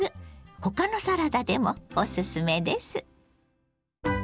他のサラダでもおすすめです。